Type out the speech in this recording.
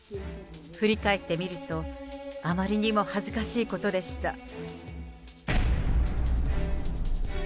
振り返ってみると、あまりにも恥ずかしいことでした。